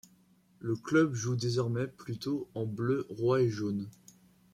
Le club joue désormais plutôt en bleu roi et jaune.